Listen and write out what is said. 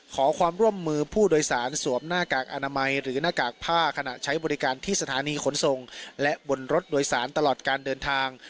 ขอความร่วมมือผู้โดยสารสวมหน้ากากอนามัยหรือหน้ากากผ้าขณะใช้บริการที่สถานีขนส่งและบนรถโดยสารตลอดการเดินทาง